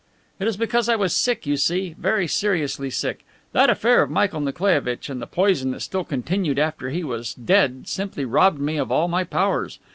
"It is because I was sick, you see very seriously sick. That affair of Michael Nikolaievitch and the poison that still continued after he was dead simply robbed me of all my powers.